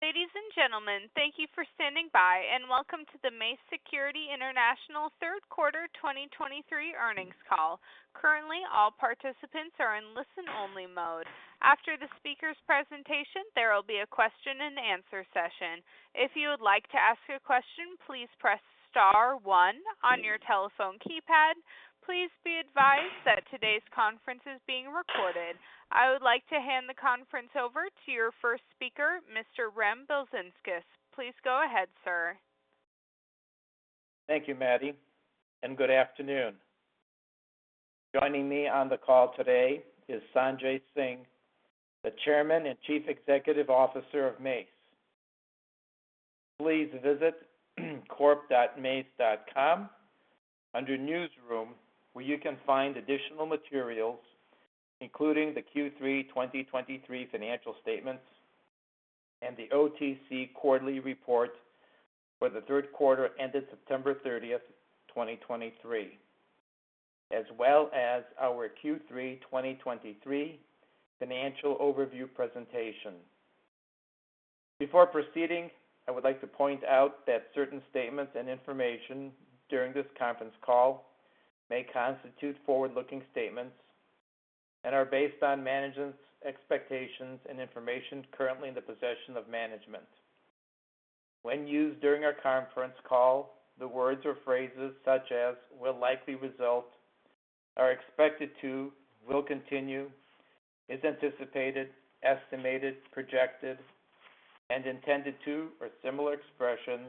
Ladies and gentlemen, thank you for standing by, and welcome to the Mace Security International Third Quarter 2023 Earnings Call. Currently, all participants are in listen-only mode. After the speaker's presentation, there will be a question-and-answer session. If you would like to ask a question, please press star one on your telephone keypad. Please be advised that today's conference is being recorded. I would like to hand the conference over to your first speaker, Mr. Remigijus Belzinskas. Please go ahead, sir. Thank you, Maddie, and good afternoon. Joining me on the call today is Sanjay Singh, the Chairman and Chief Executive Officer of Mace. Please visit corp.mace.com under Newsroom, where you can find additional materials, including the Q3 2023 financial statements and the OTC quarterly report for the third quarter ended September 30, 2023, as well as our Q3 2023 financial overview presentation. Before proceeding, I would like to point out that certain statements and information during this conference call may constitute forward-looking statements and are based on management's expectations and information currently in the possession of management. When used during our conference call, the words or phrases such as will likely result, are expected to, will continue, is anticipated, estimated, projected, and intended to, or similar expressions,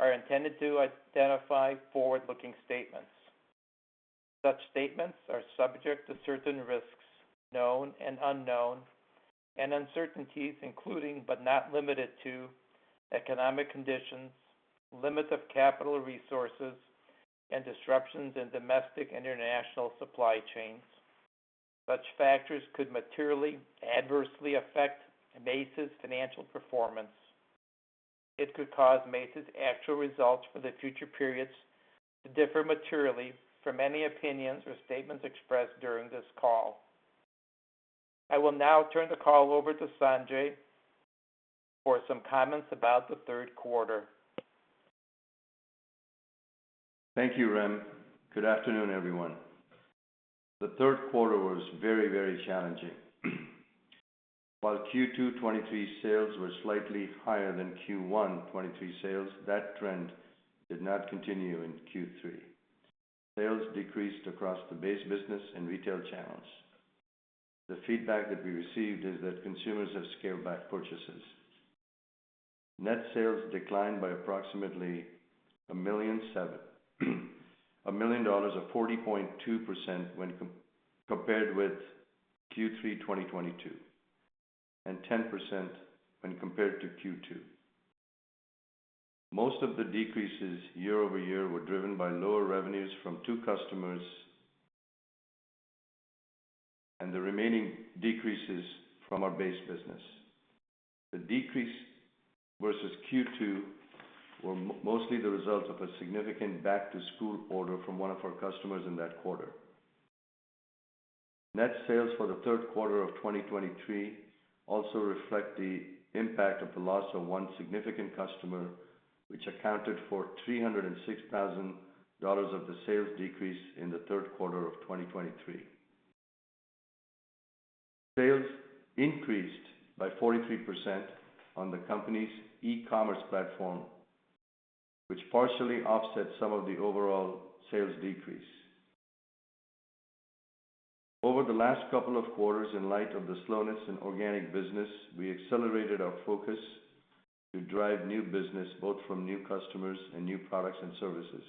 are intended to identify forward-looking statements. Such statements are subject to certain risks, known and unknown, and uncertainties, including but not limited to economic conditions, limits of capital resources, and disruptions in domestic and international supply chains. Such factors could materially adversely affect Mace's financial performance. It could cause Mace's actual results for the future periods to differ materially from any opinions or statements expressed during this call. I will now turn the call over to Sanjay for some comments about the third quarter. Thank you, Rem. Good afternoon, everyone. The third quarter was very, very challenging. While Q2 2023 sales were slightly higher than Q1 2023 sales, that trend did not continue in Q3. Sales decreased across the base business and retail channels. The feedback that we received is that consumers have scaled back purchases. Net sales declined by approximately $1.7 million, or 40.2% when compared with Q3 2022, and 10% when compared to Q2. Most of the decreases year-over-year were driven by lower revenues from two customers, and the remaining decreases from our base business. The decrease versus Q2 were mostly the result of a significant back-to-school order from one of our customers in that quarter. Net sales for the third quarter of 2023 also reflect the impact of the loss of one significant customer, which accounted for $306,000 of the sales decrease in the third quarter of 2023. Sales increased by 43% on the company's e-commerce platform, which partially offset some of the overall sales decrease. Over the last couple of quarters, in light of the slowness in organic business, we accelerated our focus to drive new business, both from new customers and new products and services.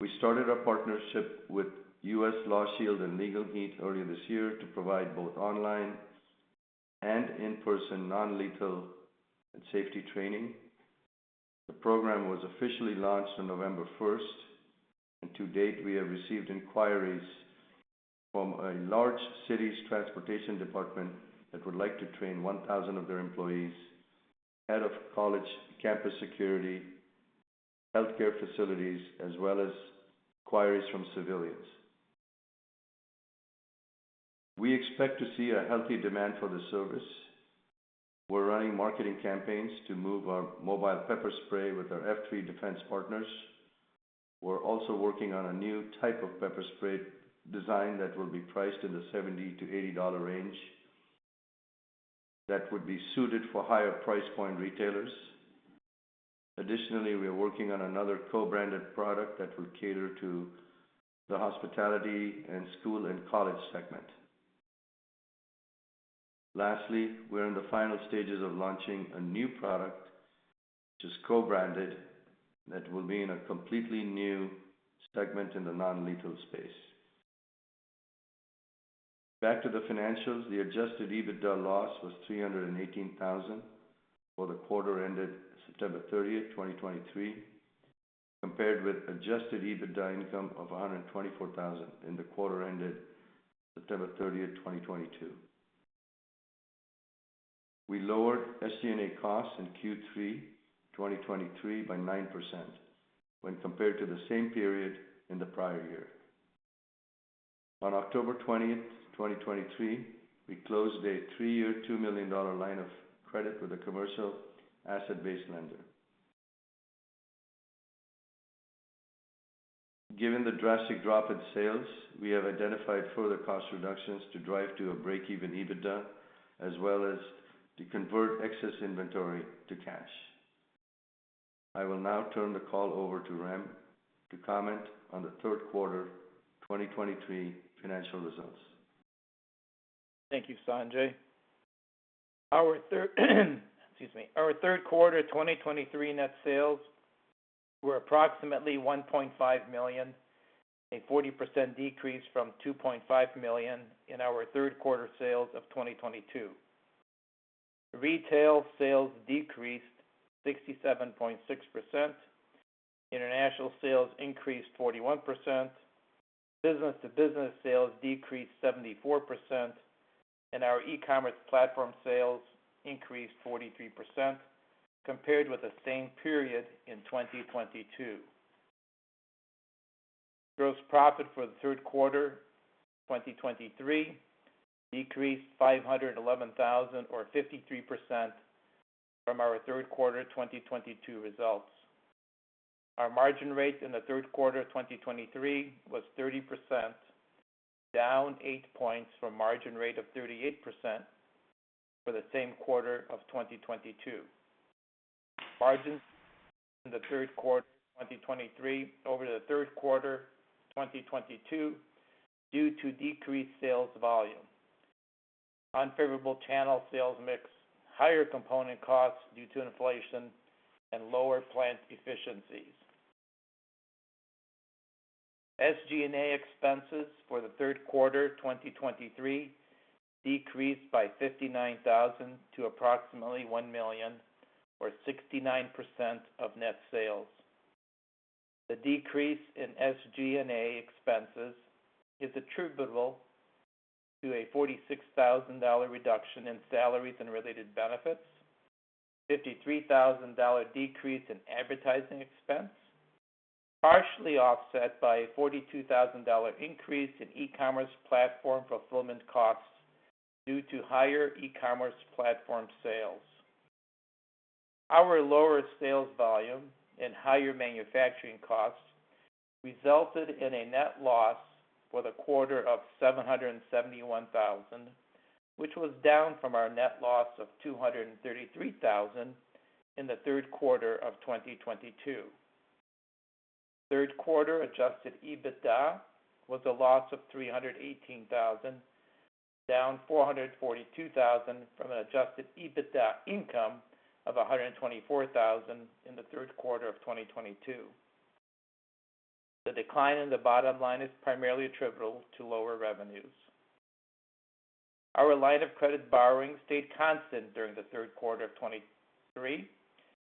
We started a partnership with U.S. LawShield and Legal Heat earlier this year to provide both online and in-person non-lethal and safety training. The program was officially launched on November first, and to date, we have received inquiries from a large city's transportation department that would like to train 1,000 of their employees, head of college campus security, healthcare facilities, as well as inquiries from civilians. We expect to see a healthy demand for this service. We're running marketing campaigns to move our mobile pepper spray with our F3 Defense partners. We're also working on a new type of pepper spray design that will be priced in the $70-$80 range. That would be suited for higher price point retailers. Additionally, we are working on another co-branded product that will cater to the hospitality and school and college segment. Lastly, we're in the final stages of launching a new product, which is co-branded, that will be in a completely new segment in the non-lethal space. Back to the financials. The adjusted EBITDA loss was $318,000 for the quarter ended September 30, 2023, compared with adjusted EBITDA income of $124,000 in the quarter ended September 30, 2022. We lowered SG&A costs in Q3 2023 by 9% when compared to the same period in the prior year. On October 20, 2023, we closed a three-year, $2 million line of credit with a commercial asset-based lender. Given the drastic drop in sales, we have identified further cost reductions to drive to a break-even EBITDA, as well as to convert excess inventory to cash. I will now turn the call over to Rem to comment on the third quarter 2023 financial results. Thank you, Sanjay. Our third, excuse me. Our third quarter 2023 net sales were approximately $1.5 million, a 40% decrease from $2.5 million in our third quarter sales of 2022. Retail sales decreased 67.6%, international sales increased 41%, business-to-business sales decreased 74%, and our e-commerce platform sales increased 43% compared with the same period in 2022. Gross profit for the third quarter 2023 decreased $511,000 or 53% from our third quarter 2022 results. Our margin rate in the third quarter of 2023 was 30%, down 8 points from margin rate of 38% for the same quarter of 2022. Margins in the third quarter 2023 over the third quarter 2022, due to decreased sales volume, unfavorable channel sales mix, higher component costs due to inflation, and lower plant efficiencies. SG&A expenses for the third quarter 2023 decreased by $59 thousand to approximately $1 million, or 69% of net sales. The decrease in SG&A expenses is attributable to a $46 thousand dollar reduction in salaries and related benefits, $53 thousand dollar decrease in advertising expense, partially offset by a $42 thousand dollar increase in e-commerce platform fulfillment costs due to higher e-commerce platform sales. Our lower sales volume and higher manufacturing costs resulted in a net loss for the quarter of $771 thousand, which was down from our net loss of $233 thousand in the third quarter of 2022. Third quarter adjusted EBITDA was a loss of $318,000, down $442,000 from an adjusted EBITDA income of $124,000 in the third quarter of 2022. The decline in the bottom line is primarily attributable to lower revenues. Our line of credit borrowing stayed constant during the third quarter of 2023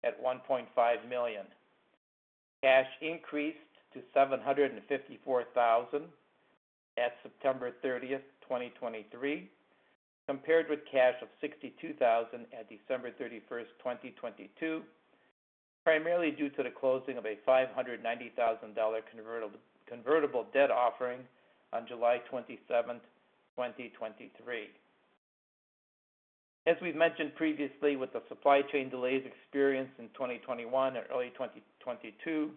at $1.5 million. Cash increased to $754,000 at September 30, 2023, compared with cash of $62,000 at December 31, 2022, primarily due to the closing of a $590,000 convertible debt offering on July 27, 2023. As we've mentioned previously, with the supply chain delays experienced in 2021 and early 2022,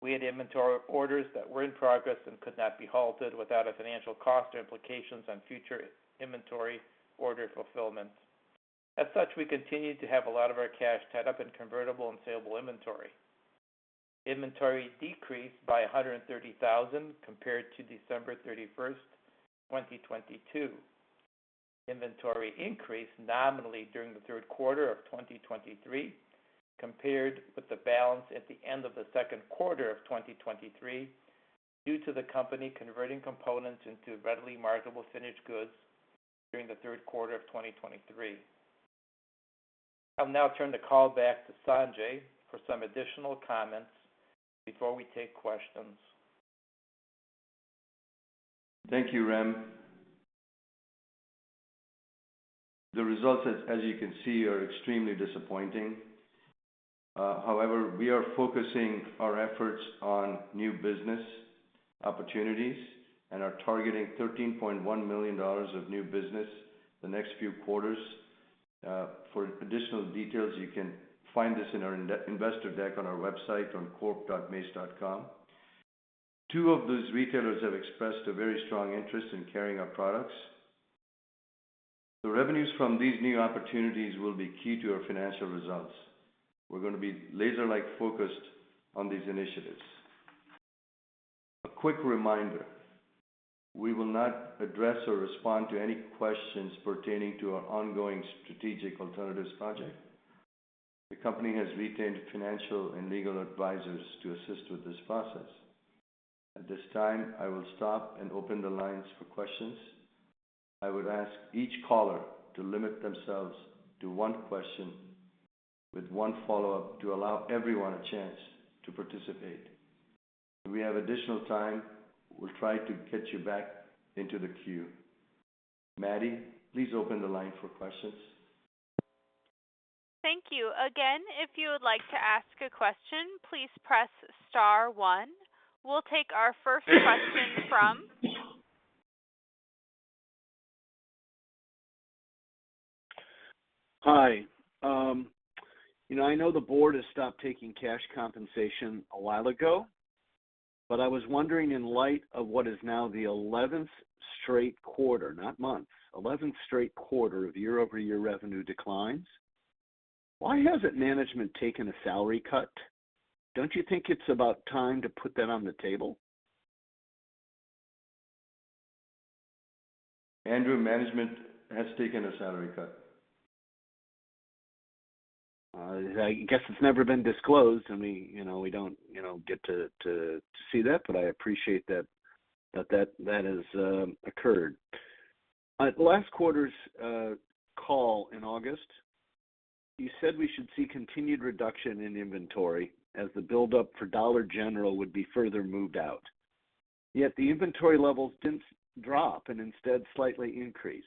we had inventory orders that were in progress and could not be halted without a financial cost or implications on future inventory order fulfillment. As such, we continued to have a lot of our cash tied up in convertible and saleable inventory. Inventory decreased by $130,000 compared to December 31, 2022. Inventory increased nominally during the third quarter of 2023, compared with the balance at the end of the second quarter of 2023, due to the company converting components into readily marketable finished goods during the third quarter of 2023. I'll now turn the call back to Sanjay for some additional comments before we take questions. Thank you, Rem. The results, as you can see, are extremely disappointing. However, we are focusing our efforts on new business opportunities and are targeting $13.1 million of new business the next few quarters. For additional details, you can find this in our investor deck on our website on corp.mace.com. Two of those retailers have expressed a very strong interest in carrying our products. The revenues from these new opportunities will be key to our financial results. We're going to be laser-like focused on these initiatives. A quick reminder, we will not address or respond to any questions pertaining to our ongoing strategic alternatives project. The company has retained financial and legal advisors to assist with this process. At this time, I will stop and open the lines for questions. I would ask each caller to limit themselves to one question with one follow-up to allow everyone a chance to participate. If we have additional time, we'll try to get you back into the queue. Maddie, please open the line for questions. Thank you. Again, if you would like to ask a question, please press star one. We'll take our first question from? Hi. You know, I know the board has stopped taking cash compensation a while ago, but I was wondering, in light of what is now the eleventh straight quarter, not month, eleventh straight quarter of year-over-year revenue declines, why hasn't management taken a salary cut? Don't you think it's about time to put that on the table? Andrew, management has taken a salary cut. I guess it's never been disclosed. I mean, you know, we don't, you know, get to see that, but I appreciate that has occurred. At last quarter's call in August, you said we should see continued reduction in inventory as the buildup for Dollar General would be further moved out, yet the inventory levels didn't drop and instead slightly increased.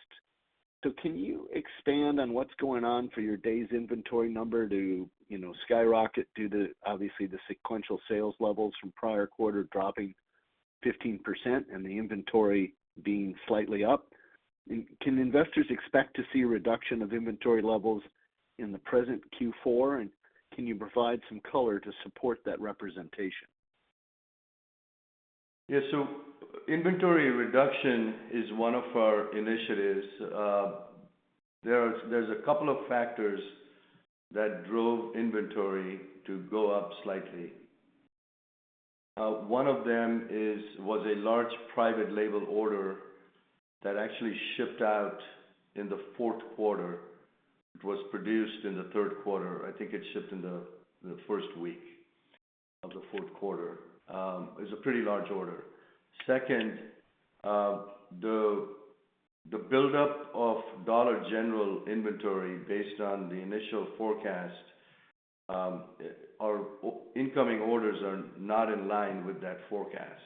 So can you expand on what's going on for your days inventory number to, you know, skyrocket due to obviously the sequential sales levels from prior quarter dropping 15% and the inventory being slightly up? And can investors expect to see a reduction of inventory levels in the present Q4, and can you provide some color to support that representation? Yeah. So inventory reduction is one of our initiatives. There's a couple of factors that drove inventory to go up slightly. One of them was a large private label order that actually shipped out in the fourth quarter. It was produced in the third quarter. I think it shipped in the first week of the fourth quarter. It was a pretty large order. Second, the buildup of Dollar General inventory based on the initial forecast, our incoming orders are not in line with that forecast.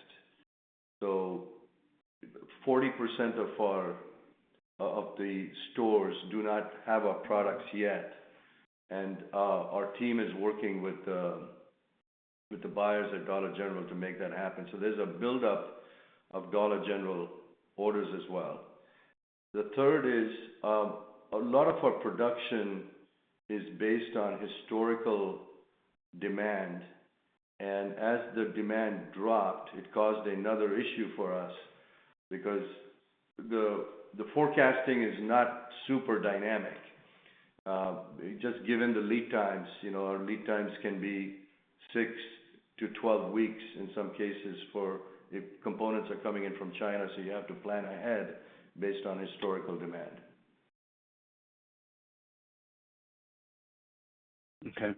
So 40% of our stores do not have our products yet, and our team is working with the buyers at Dollar General to make that happen. So there's a buildup of Dollar General orders as well. The third is, a lot of our production is based on historical demand, and as the demand dropped, it caused another issue for us because the forecasting is not super dynamic. Just given the lead times, you know, our lead times can be 6-12 weeks in some cases for... If components are coming in from China, so you have to plan ahead based on historical demand. Okay.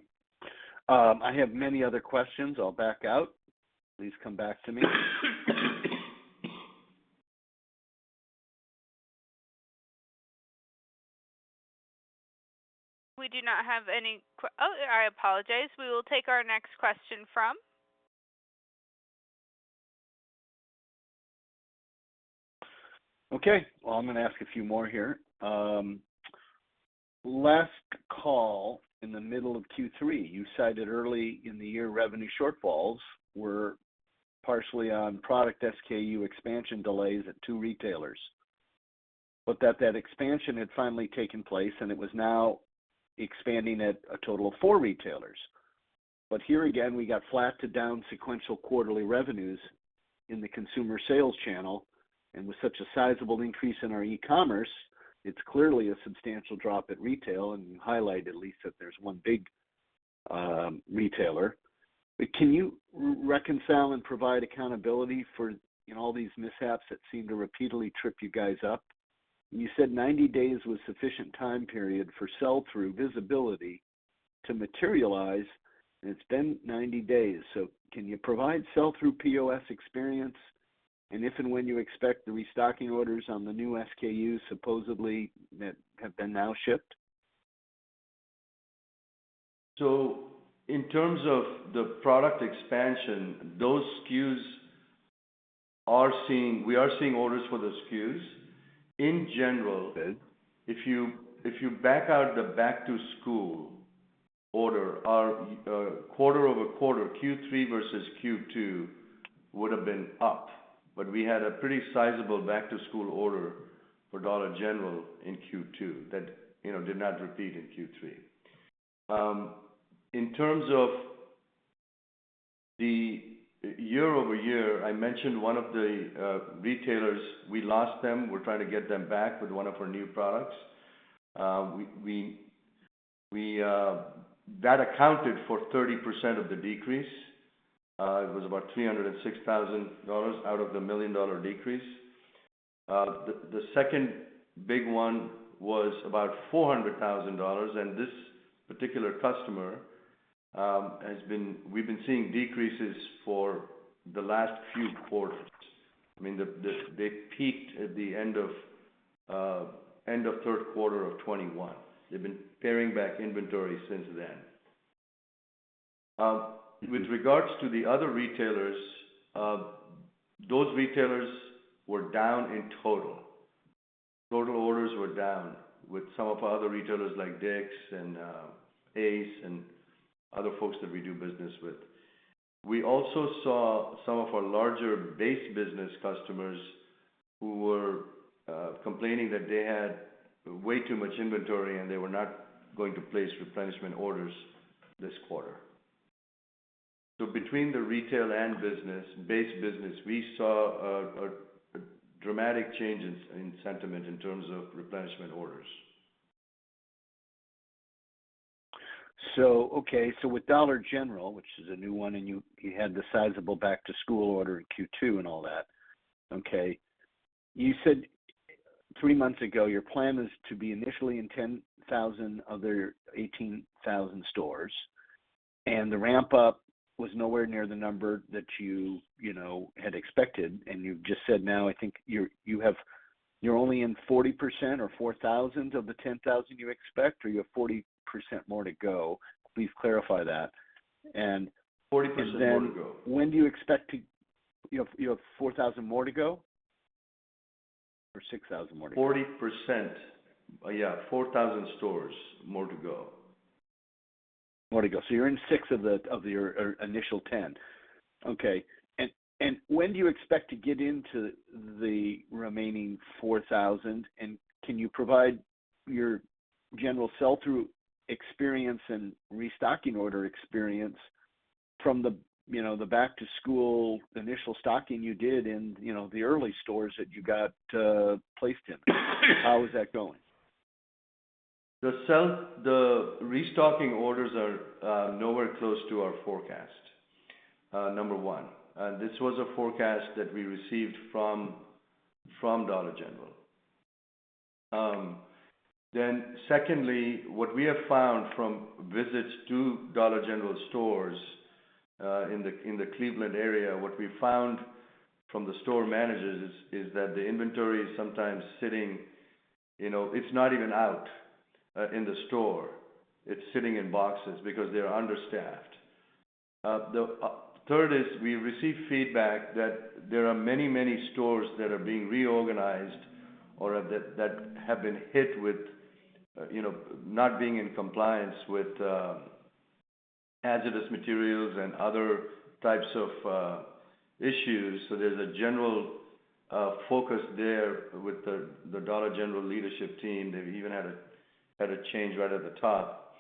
I have many other questions. I'll back out. Please come back to me. We do not have any... Oh, I apologize. We will take our next question from? Okay, well, I'm gonna ask a few more here. Last call in the middle of Q3, you cited early in the year, revenue shortfalls were partially on product SKU expansion delays at two retailers, but that expansion had finally taken place, and it was now expanding at a total of four retailers. But here again, we got flat to down sequential quarterly revenues in the consumer sales channel, and with such a sizable increase in our e-commerce, it's clearly a substantial drop at retail, and you highlight at least that there's one big retailer. But can you reconcile and provide accountability for, you know, all these mishaps that seem to repeatedly trip you guys up? You said 90 days was sufficient time period for sell-through visibility to materialize, and it's been 90 days. So can you provide sell-through POS experience? If and when you expect the restocking orders on the new SKUs, supposedly that have been now shipped? So in terms of the product expansion, those SKUs are seeing... We are seeing orders for those SKUs. In general, if you back out the back-to-school order, our quarter-over-quarter, Q3 versus Q2, would have been up. But we had a pretty sizable back-to-school order for Dollar General in Q2 that, you know, did not repeat in Q3. In terms of the year-over-year, I mentioned one of the retailers, we lost them. We're trying to get them back with one of our new products. That accounted for 30% of the decrease. It was about $306,000 out of the $1 million decrease. The second big one was about $400,000, and this particular customer has been. We've been seeing decreases for the last few quarters. I mean, they peaked at the end of third quarter of 2021. They've been paring back inventory since then. With regards to the other retailers, those retailers were down in total. Total orders were down with some of our other retailers, like Dick's and Ace and other folks that we do business with. We also saw some of our larger base business customers who were complaining that they had way too much inventory, and they were not going to place replenishment orders this quarter. So between the retail and business base business, we saw a dramatic change in sentiment in terms of replenishment orders. So, okay, so with Dollar General, which is a new one, and you had the sizable back-to-school order in Q2 and all that. Okay. You said three months ago, your plan is to be initially in 10,000 of their 18,000 stores, and the ramp-up was nowhere near the number that you know had expected, and you've just said now, I think you're -- you have... You're only in 40% or 4,000 of the 10,000 you expect, or you have 40% more to go? Please clarify that. And- 40% more to go. When do you expect to... You have, you have 4,000 more to go or 6,000 more to go? 40%. Yeah, 4,000 stores more to go. More to go. So you're in 6 of the, of your initial 10. Okay, and, and when do you expect to get into the remaining 4,000? And can you provide your general sell-through experience and restocking order experience from the, you know, the back-to-school, initial stocking you did in, you know, the early stores that you got, placed in? How is that going? The sales, the restocking orders are nowhere close to our forecast, number one. This was a forecast that we received from Dollar General. Then secondly, what we have found from visits to Dollar General stores in the Cleveland area, what we found from the store managers is that the inventory is sometimes sitting, you know, it's not even out in the store. It's sitting in boxes because they're understaffed. The third is we received feedback that there are many, many stores that are being reorganized or that have been hit with, you know, not being in compliance with hazardous materials and other types of issues. So there's a general focus there with the Dollar General leadership team. They've even had a change right at the top.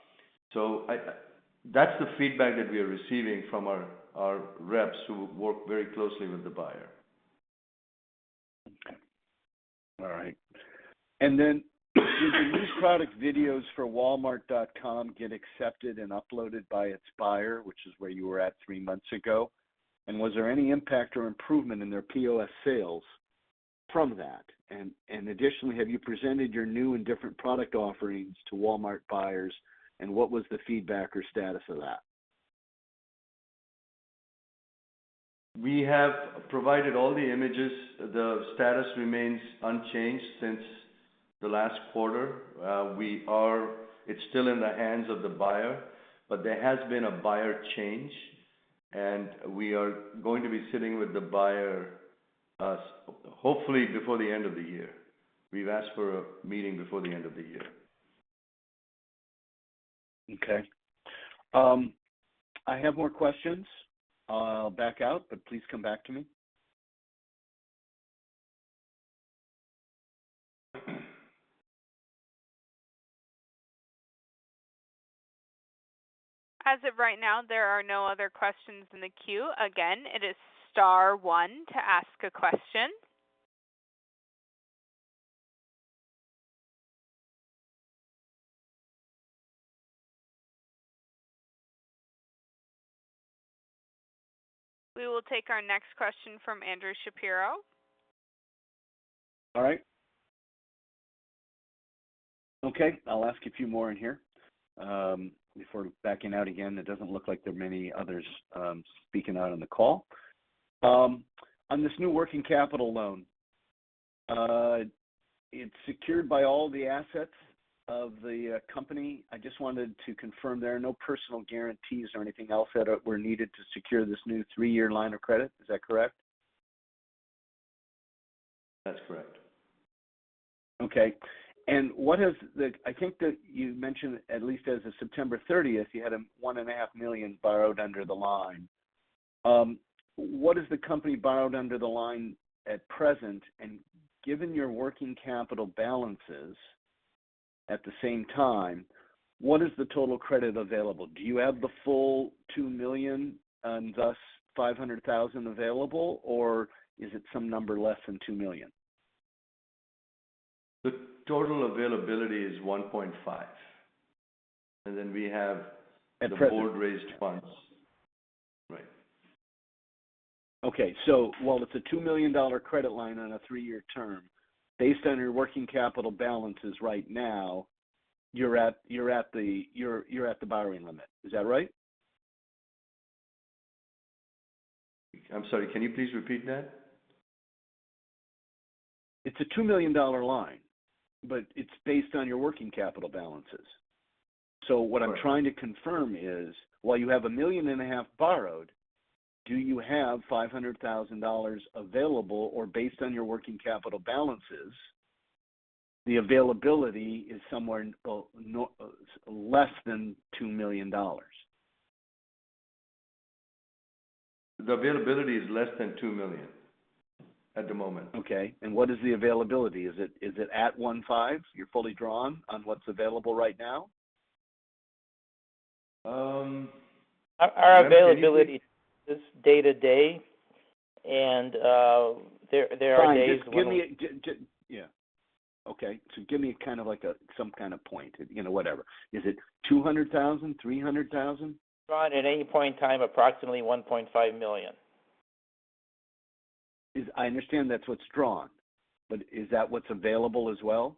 That's the feedback that we are receiving from our reps, who work very closely with the buyer. Okay. All right. Then, did the new product videos for Walmart.com get accepted and uploaded by its buyer, which is where you were at three months ago? And was there any impact or improvement in their POS sales from that? And additionally, have you presented your new and different product offerings to Walmart buyers, and what was the feedback or status of that? We have provided all the images. The status remains unchanged since the last quarter. It's still in the hands of the buyer, but there has been a buyer change, and we are going to be sitting with the buyer, hopefully before the end of the year. We've asked for a meeting before the end of the year. Okay. I have more questions. I'll back out, but please come back to me. As of right now, there are no other questions in the queue. Again, it is star one to ask a question. We will take our next question from Andrew Shapiro. All right. Okay, I'll ask a few more in here before backing out again. It doesn't look like there are many others speaking out on the call. On this new working capital loan, it's secured by all the assets of the company. I just wanted to confirm there are no personal guarantees or anything else that were needed to secure this new three-year line of credit. Is that correct? That's correct. Okay. And what is the... I think that you mentioned at least as of September 30th, you had $1.5 million borrowed under the line. What has the company borrowed under the line at present? And given your working capital balances at the same time, what is the total credit available? Do you have the full $2 million and thus $500,000 available, or is it some number less than $2 million? The total availability is 1.5, and then we have- At present. The board-raised funds. Right. Okay. So while it's a $2 million credit line on a 3-year term, based on your working capital balances right now, you're at the borrowing limit. Is that right? I'm sorry. Can you please repeat that? It's a $2 million line, but it's based on your working capital balances. So what I'm trying to confirm is, while you have $1.5 million borrowed, do you have $500,000 available, or based on your working capital balances, the availability is somewhere in, well, no, less than $2 million? The availability is less than 2 million at the moment. Okay, and what is the availability? Is it, is it at $1.5? You're fully drawn on what's available right now? Um, Our availability is day to day, and there are times when- Fine, just give me a... Yeah. Okay, so give me kind of like a, some kind of point, you know, whatever. Is it $200,000, $300,000? drawn at any point in time, approximately $1.5 million. I understand that's what's drawn, but is that what's available as well?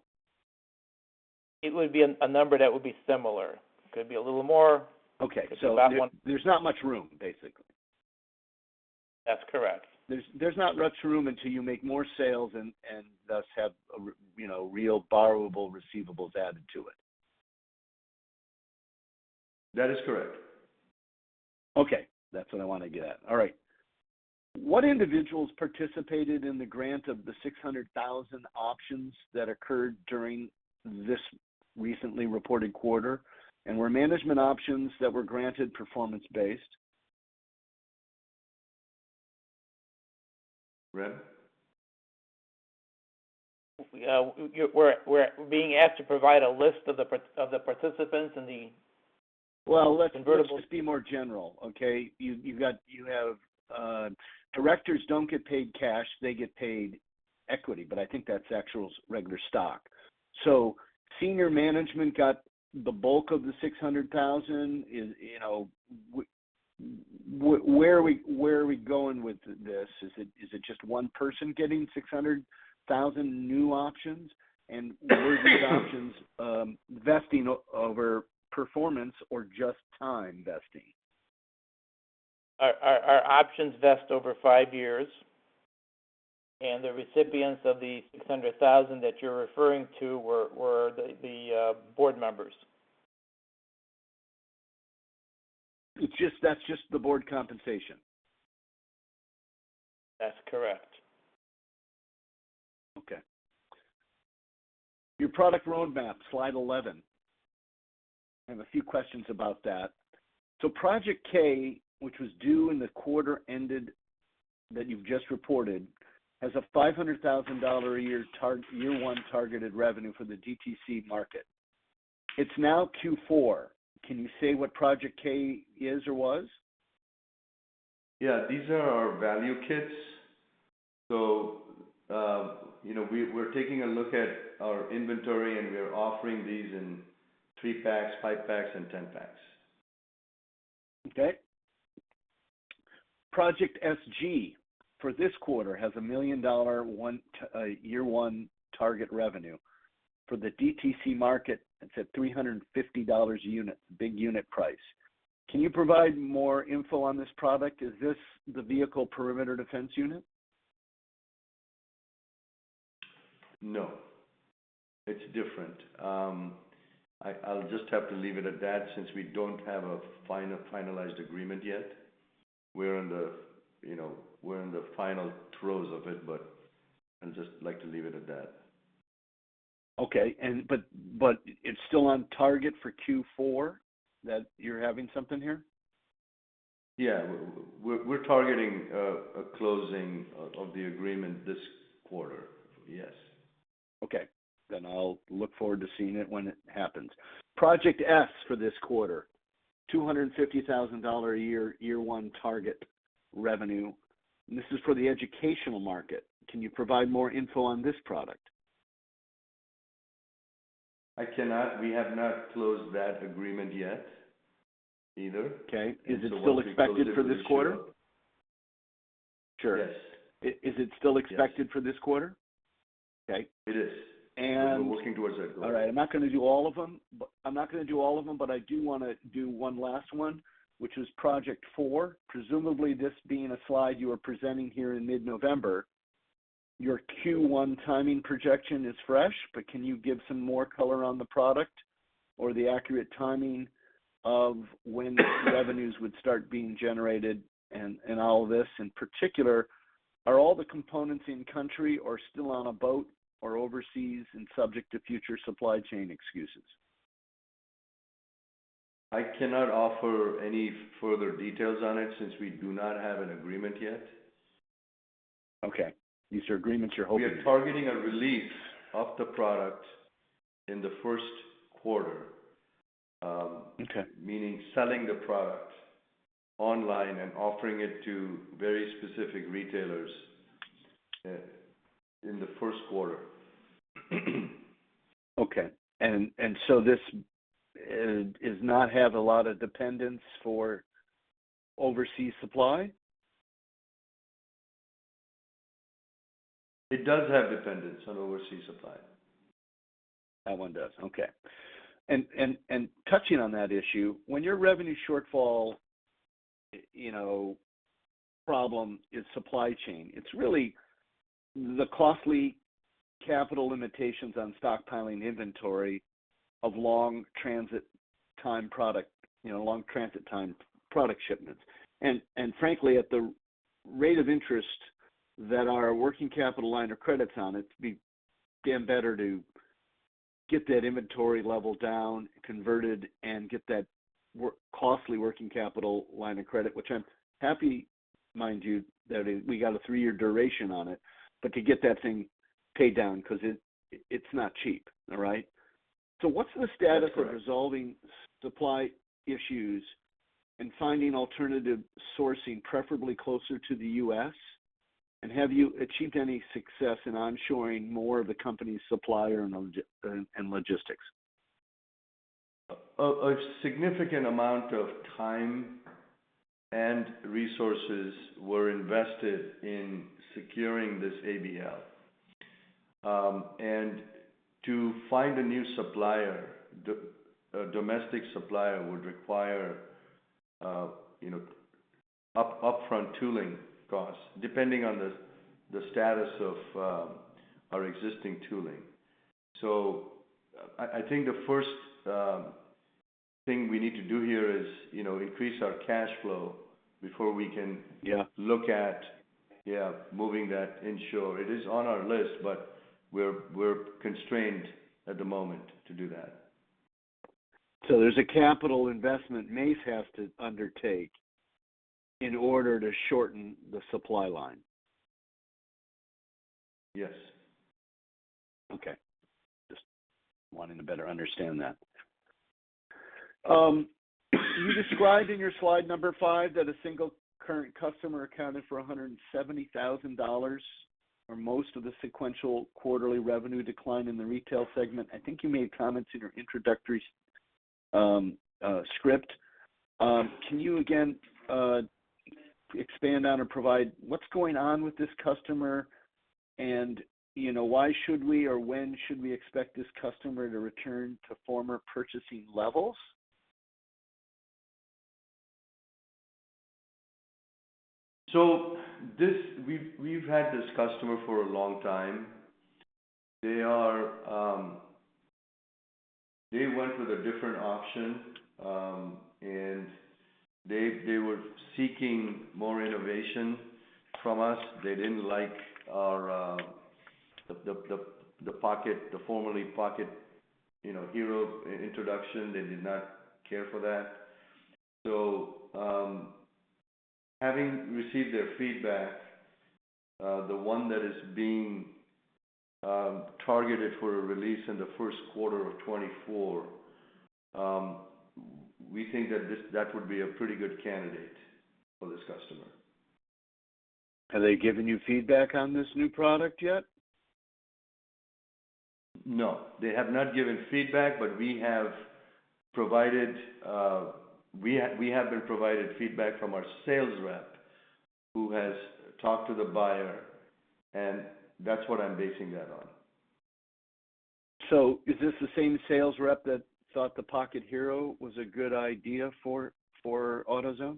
It would be a number that would be similar. Could be a little more. Okay. Could be less than- There's not much room, basically. That's correct. There's not much room until you make more sales and thus have a, you know, real borrowable receivables added to it. That is correct. Okay, that's what I want to get at. All right. What individuals participated in the grant of the 600,000 options that occurred during this recently reported quarter? And were management options that were granted performance-based? Rand? We're being asked to provide a list of the participants and the- Well, let's just be more general, okay? You have directors don't get paid cash, they get paid equity, but I think that's actual regular stock. So senior management got the bulk of the 600,000. You know, where are we going with this? Is it just one person getting 600,000 new options? And were the options vesting over performance or just time vesting? Our options vest over five years, and the recipients of the 600,000 that you're referring to were the board members. It's just, that's just the Board compensation? That's correct. Okay. Your product roadmap, slide 11. I have a few questions about that. So Project K, which was due in the quarter ended, that you've just reported, has a $500,000 a year target, year 1 targeted revenue for the DTC market. It's now Q4. Can you say what Project K is or was? Yeah, these are our value kits. So, you know, we're taking a look at our inventory, and we are offering these in 3 packs, 5 packs, and 10 packs. Okay. Project SG, for this quarter, has a $1 million year one target revenue. For the DTC market, it's at $350 a unit, big unit price. Can you provide more info on this product? Is this the Vehicle Perimeter Defense unit? No, it's different. I'll just have to leave it at that since we don't have a final-finalized agreement yet. We're in the, you know, we're in the final throes of it, but I'd just like to leave it at that. Okay. But it's still on target for Q4, that you're having something here? Yeah. We're targeting a closing of the agreement this quarter. Yes. Okay. I'll look forward to seeing it when it happens. Project S for this quarter, $250,000 a year, year one target revenue, and this is for the educational market. Can you provide more info on this product? I cannot. We have not closed that agreement yet, either. Okay. Is it still expected for this quarter? Sure. Yes. Is it still expected for this quarter? Okay. It is. And- We're working towards that goal. All right. I'm not going to do all of them, but... I'm not going to do all of them, but I do want to do one last one, which is Project 4 Presumably, this being a slide you are presenting here in mid-November, your Q1 timing projection is fresh, but can you give some more color on the product or the accurate timing of when the revenues would start being generated and, and all this? In particular, are all the components in country or still on a boat or overseas and subject to future supply chain excuses? I cannot offer any further details on it since we do not have an agreement yet. Okay. These are agreements you're hoping for. We are targeting a release of the product in the first quarter. Okay. Meaning selling the product online and offering it to very specific retailers in the first quarter. Okay, so this does not have a lot of dependence for overseas supply? It does have dependence on overseas supply.... That one does. Okay. And touching on that issue, when your revenue shortfall, you know, problem is supply chain, it's really the costly capital limitations on stockpiling inventory of long transit time product, you know, long transit time product shipments. And frankly, at the rate of interest that our working capital line of credit's on, it'd be damn better to get that inventory level down, converted, and get that costly working capital line of credit, which I'm happy, mind you, that it... We got a 3-year duration on it, but to get that thing paid down, 'cause it, it's not cheap. All right? So what's the status- That's right. for resolving supply issues and finding alternative sourcing, preferably closer to the U.S.? And have you achieved any success in onshoring more of the company's supplier and logistics? A significant amount of time and resources were invested in securing this ABL. And to find a new supplier, a domestic supplier would require, you know, upfront tooling costs, depending on the status of our existing tooling. So I think the first thing we need to do here is, you know, increase our cash flow before we can- Yeah... look at, yeah, moving that inshore. It is on our list, but we're constrained at the moment to do that. So there's a capital investment Mace has to undertake in order to shorten the supply line? Yes. Okay. Just wanting to better understand that. You described in your slide number 5, that a single current customer accounted for $170,000, or most of the sequential quarterly revenue decline in the retail segment. I think you made comments in your introductory script. Can you again expand on or provide what's going on with this customer? And, you know, why should we, or when should we expect this customer to return to former purchasing levels? We've had this customer for a long time. They went with a different option, and they were seeking more innovation from us. They didn't like our Pocket, the former Pocket, you know, Hero introduction. They did not care for that. So, having received their feedback, the one that is being targeted for a release in the first quarter of 2024, we think that that would be a pretty good candidate for this customer. Have they given you feedback on this new product yet? No, they have not given feedback, but we have been provided feedback from our sales rep, who has talked to the buyer, and that's what I'm basing that on. Is this the same sales rep that thought the Pocket Hero was a good idea for AutoZone?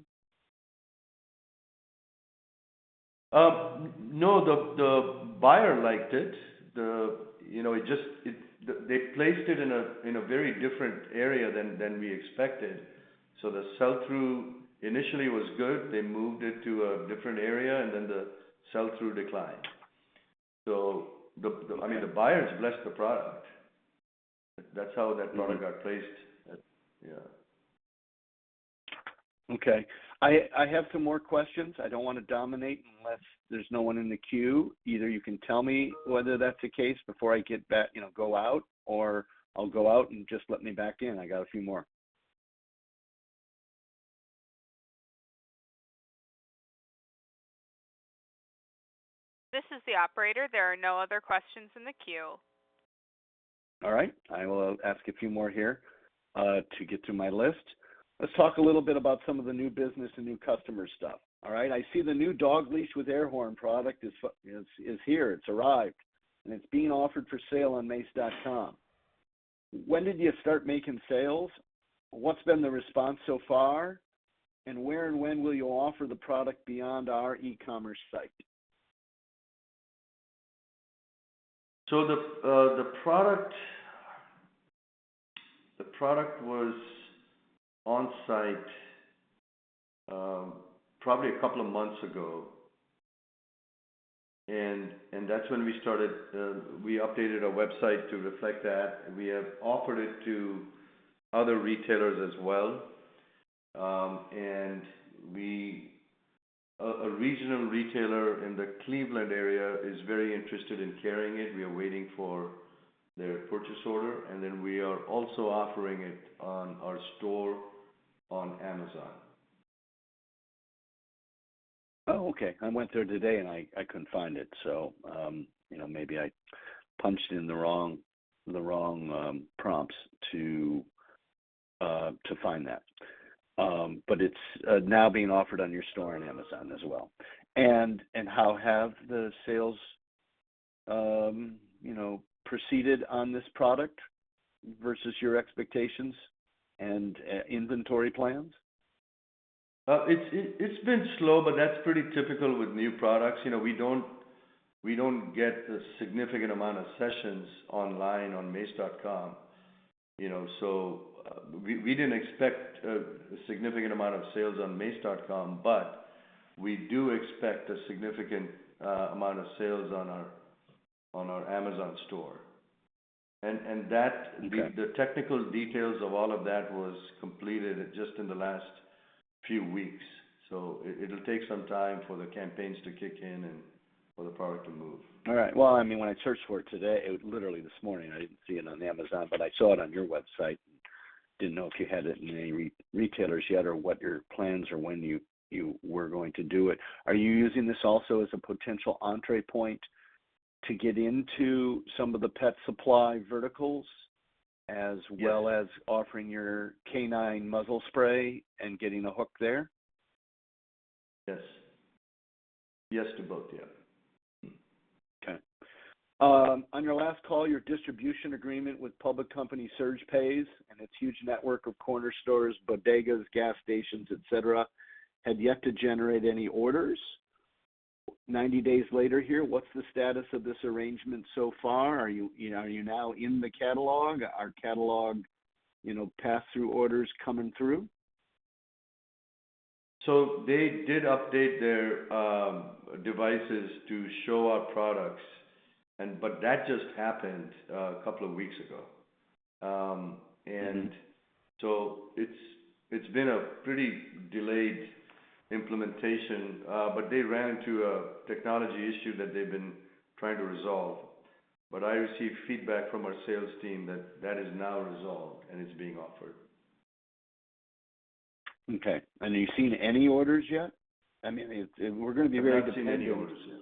No, the buyer liked it. You know, it just, they placed it in a very different area than we expected. So the sell-through initially was good. They moved it to a different area, and then the sell-through declined. So I mean, the buyers blessed the product. That's how that product got placed. Yeah. Okay. I have some more questions. I don't want to dominate, unless there's no one in the queue. Either you can tell me whether that's the case before I get back, you know, go out, or I'll go out and just let me back in. I got a few more. This is the operator. There are no other questions in the queue. All right. I will ask a few more here, to get through my list. Let's talk a little bit about some of the new business and new customer stuff. All right. I see the new dog leash with air horn product is here. It's arrived, and it's being offered for sale on Mace.com. When did you start making sales? What's been the response so far? And where and when will you offer the product beyond our e-commerce site? So the product was on site probably a couple of months ago, and that's when we started. We updated our website to reflect that. We have offered it to other retailers as well. And a regional retailer in the Cleveland area is very interested in carrying it. We are waiting for their purchase order, and then we are also offering it on our store on Amazon. Oh, okay. I went there today, and I couldn't find it. So, you know, maybe I punched in the wrong prompts to find that. But it's now being offered on your store on Amazon as well. And how have the sales, you know, proceeded on this product versus your expectations and inventory plans? It's, it's been slow, but that's pretty typical with new products. You know, we don't, we don't get a significant amount of sessions online on Mace.com. You know, so, we, we didn't expect a, a significant amount of sales on Mace.com, but we do expect a significant amount of sales on our, on our Amazon store. And, and that- Okay. The technical details of all of that was completed just in the last few weeks, so it'll take some time for the campaigns to kick in and for the product to move. All right. Well, I mean, when I searched for it today, literally this morning, I didn't see it on Amazon, but I saw it on your website. Didn't know if you had it in any retailers yet, or what your plans or when you were going to do it. Are you using this also as a potential entry point to get into some of the pet supply verticals- Yes... as well as offering your canine Muzzle spray and getting a hook there? Yes. Yes to both of you. On your last call, your distribution agreement with public company SurgePays and its huge network of corner stores, bodegas, gas stations, et cetera, had yet to generate any orders. 90 days later here, what's the status of this arrangement so far? Are you, you know, are you now in the catalog? Are catalog, you know, pass-through orders coming through? So they did update their devices to show our products, but that just happened a couple of weeks ago. Mm-hmm... so it's been a pretty delayed implementation, but they ran into a technology issue that they've been trying to resolve. But I received feedback from our sales team that that is now resolved, and it's being offered. Okay. And have you seen any orders yet? I mean, we're gonna be very dependent- I've not seen any orders yet.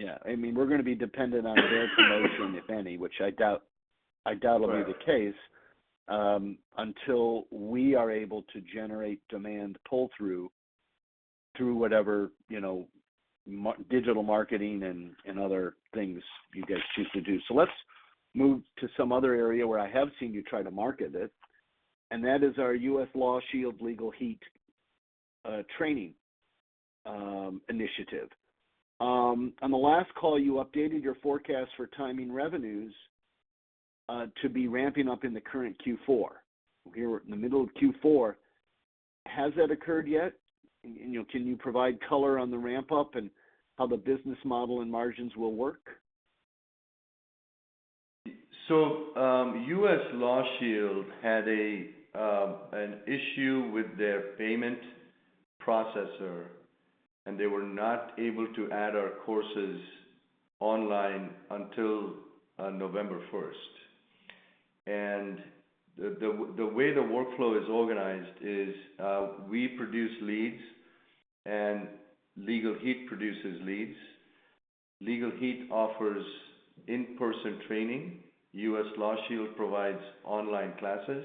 Yeah. I mean, we're gonna be dependent on their promotion, if any, which I doubt, I doubt- Right... will be the case until we are able to generate demand pull-through through whatever, you know, digital marketing and other things you guys choose to do. So let's move to some other area where I have seen you try to market it, and that is our U.S. LawShield, Legal Heat training initiative. On the last call, you updated your forecast for timing revenues to be ramping up in the current Q4. We're in the middle of Q4. Has that occurred yet? And, you know, can you provide color on the ramp-up and how the business model and margins will work? So, U.S. LawShield had an issue with their payment processor, and they were not able to add our courses online until November first. And the way the workflow is organized is we produce leads, and Legal Heat produces leads. Legal Heat offers in-person training. U.S. LawShield provides online classes,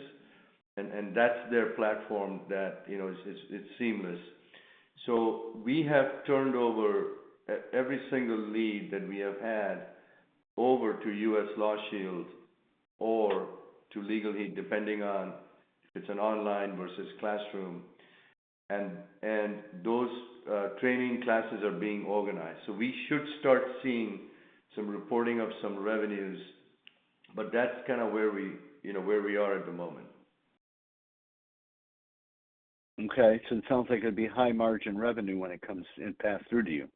and that's their platform that, you know, it's seamless. So we have turned over every single lead that we have had over to U.S. LawShield or to Legal Heat, depending on if it's an online versus classroom. And those training classes are being organized, so we should start seeing some reporting of some revenues, but that's kind of where we, you know, where we are at the moment. Okay. So it sounds like it'd be high margin revenue when it comes and passes through to you.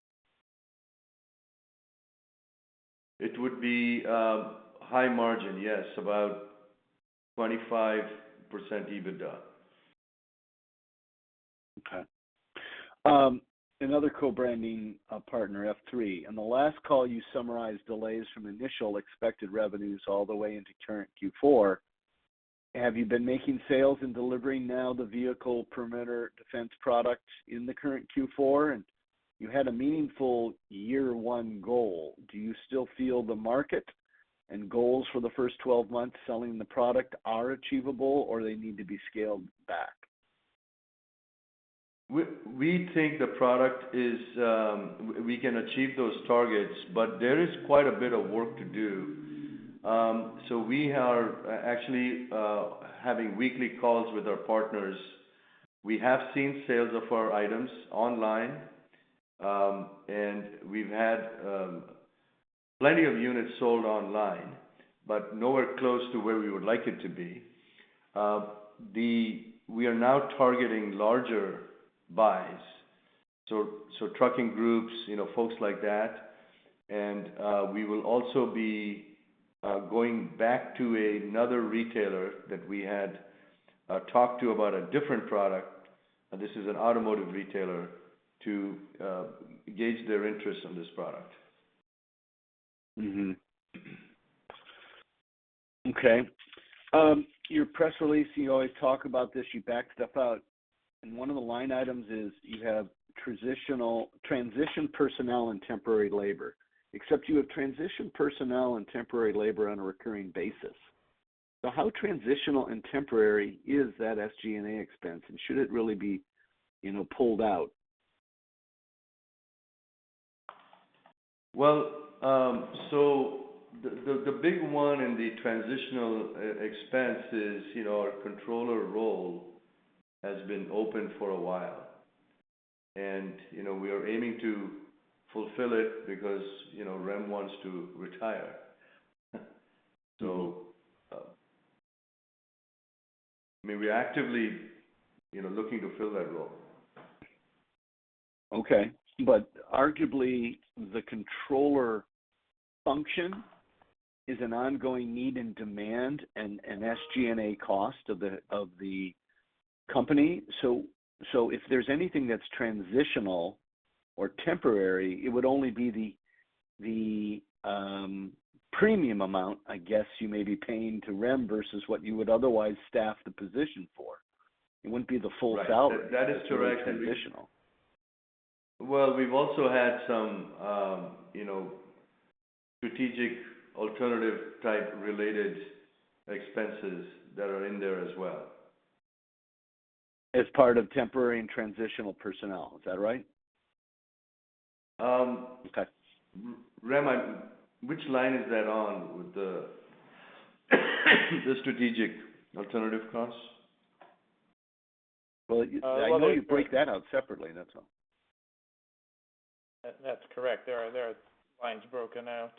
It would be, high margin, yes, about 25% EBITDA. Okay. Another co-branding partner, F3. On the last call, you summarized delays from initial expected revenues all the way into current Q4. Have you been making sales and delivering now the vehicle perimeter defense product in the current Q4? You had a meaningful year one goal. Do you still feel the market and goals for the first twelve months selling the product are achievable, or they need to be scaled back? We think the product is. We can achieve those targets, but there is quite a bit of work to do. So we are actually having weekly calls with our partners. We have seen sales of our items online, and we've had plenty of units sold online, but nowhere close to where we would like it to be. We are now targeting larger buys, so trucking groups, you know, folks like that. And we will also be going back to another retailer that we had talked to about a different product, and this is an automotive retailer, to gauge their interest in this product. Mm-hmm. Okay. Your press release, you always talk about this, you backed stuff out.... And one of the line items is you have transitional-- transition personnel and temporary labor, except you have transition personnel and temporary labor on a recurring basis. So how transitional and temporary is that SG&A expense, and should it really be, you know, pulled out? Well, so the big one in the transitional expense is, you know, our controller role has been open for a while. And, you know, we are aiming to fulfill it because, you know, Rem wants to retire. So, I mean, we're actively, you know, looking to fill that role. Okay. But arguably, the controller function is an ongoing need and demand and SG&A cost of the company. So if there's anything that's transitional or temporary, it would only be the premium amount, I guess, you may be paying to Rem versus what you would otherwise staff the position for. It wouldn't be the full salary- Right. That is correct. If it were transitional. Well, we've also had some, you know, strategic alternative type related expenses that are in there as well. As part of temporary and transitional personnel, is that right? Um. Okay. Rem, which line is that on, with the strategic alternative costs? Well, I know you break that out separately, that's all. That, that's correct. There are lines broken out.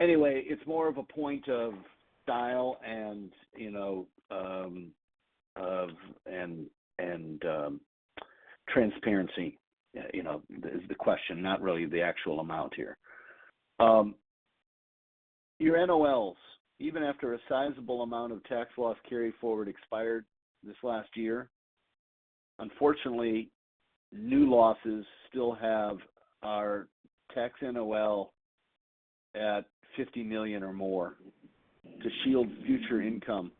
Anyway, it's more of a point of style and, you know, of and transparency, you know, is the question, not really the actual amount here. Your NOLs, even after a sizable amount of tax loss carry forward expired this last year, unfortunately, new losses still have our tax NOL at $50 million or more to shield future income.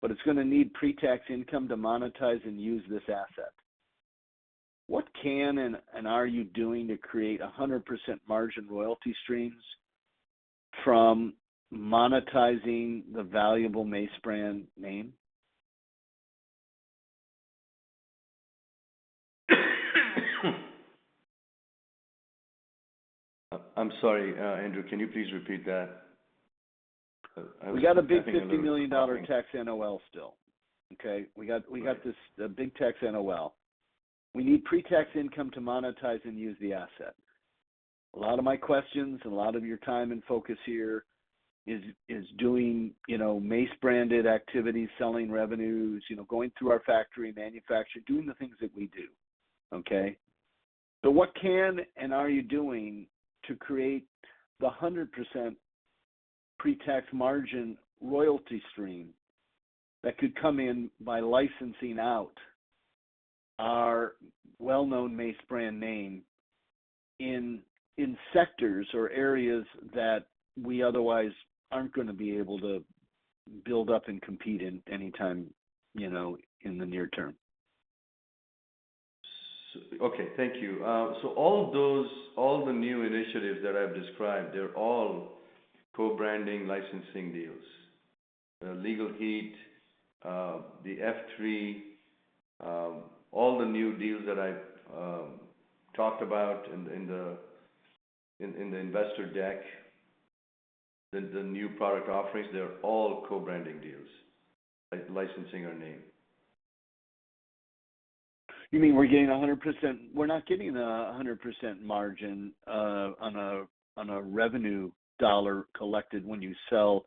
But it's gonna need pre-tax income to monetize and use this asset. What can and are you doing to create 100% margin royalty streams from monetizing the valuable Mace brand name? I'm sorry, Andrew, can you please repeat that? I was typing and wasn't paying- We got a big $50 million tax NOL still, okay? We got- Right. We got this, a big tax NOL. We need pre-tax income to monetize and use the asset. A lot of my questions and a lot of your time and focus here is, is doing, you know, Mace branded activities, selling revenues, you know, going through our factory, manufacture, doing the things that we do, okay? So what can and are you doing to create the 100% pre-tax margin royalty stream that could come in by licensing out our well-known Mace brand name in, in sectors or areas that we otherwise aren't gonna be able to build up and compete in anytime, you know, in the near term? Okay, thank you. So all those—all the new initiatives that I've described, they're all co-branding, licensing deals. Legal Heat, the F3, all the new deals that I've talked about in the investor deck, the new product offerings, they're all co-branding deals, licensing our name. You mean, we're getting 100%... We're not getting a 100% margin on a, on a revenue dollar collected when you sell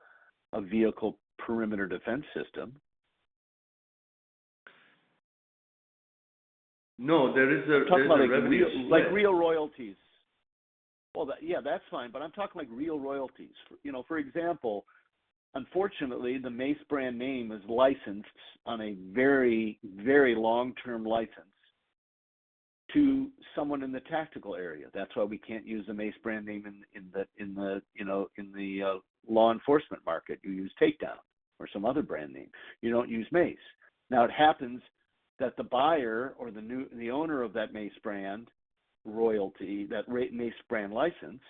a vehicle perimeter defense system. No, there is a revenue- Like real royalties. Well, yeah, that's fine, but I'm talking like real royalties. You know, for example, unfortunately, the Mace brand name is licensed on a very, very long-term license to someone in the tactical area. That's why we can't use the Mace brand name in the law enforcement market. You use Take Down or some other brand name. You don't use Mace. Now, it happens that the buyer or the new owner of that Mace brand royalty, that Mace brand license,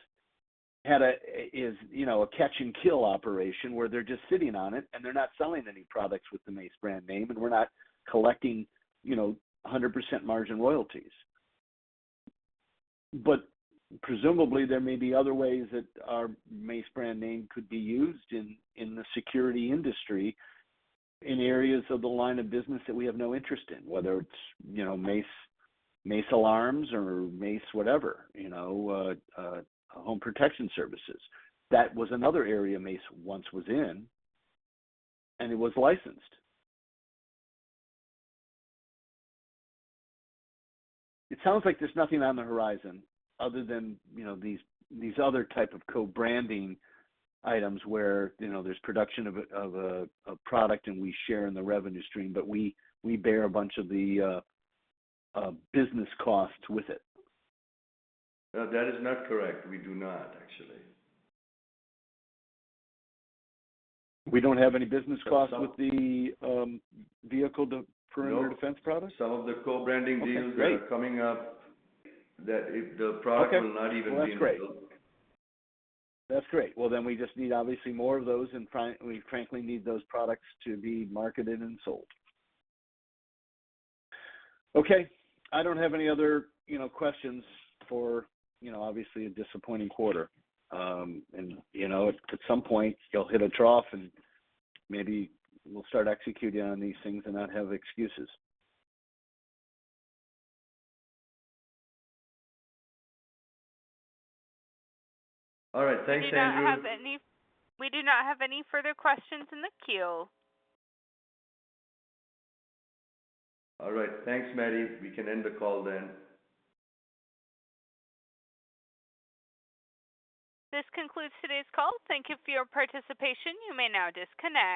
is, you know, a catch and kill operation where they're just sitting on it, and they're not selling any products with the Mace brand name, and we're not collecting, you know, 100% margin royalties. But presumably, there may be other ways that our Mace brand name could be used in, in the security industry, in areas of the line of business that we have no interest in, whether it's, you know, Mace, Mace alarms or Mace whatever, you know, home protection services. That was another area Mace once was in, and it was licensed. It sounds like there's nothing on the horizon other than, you know, these other type of co-branding items where, you know, there's production of a product, and we share in the revenue stream, but we bear a bunch of the business costs with it. No, that is not correct. We do not, actually. We don't have any business costs with the vehicle per- No perimeter defense products? Some of the co-branding deals- Okay, great that are coming up, that if the product Okay will not even be built. That's great. That's great. Well, then we just need obviously more of those, and we frankly need those products to be marketed and sold. Okay, I don't have any other, you know, questions for, you know, obviously a disappointing quarter. And, you know, at some point, you'll hit a trough, and maybe we'll start executing on these things and not have excuses. All right. Thanks, Andrew. We do not have any further questions in the queue. All right. Thanks, Maddie. We can end the call then. This concludes today's call. Thank you for your participation. You may now disconnect.